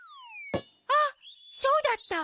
あっそうだった！